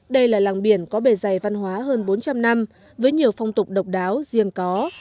đây là làng biển có bề dày văn hóa hơn bốn trăm linh năm với nhiều phong tục độc đáo riêng có